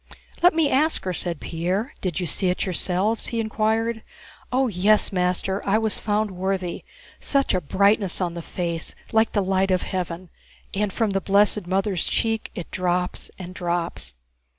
"Let me ask her," said Pierre. "Did you see it yourselves?" he inquired. "Oh, yes, master, I was found worthy. Such a brightness on the face like the light of heaven, and from the blessed Mother's cheek it drops and drops...."